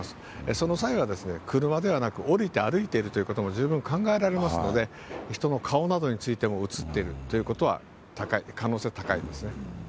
その際は車ではなく、降りて歩いてるということも十分考えられますので、人の顔などについても写っているということは、可能性は高いですね。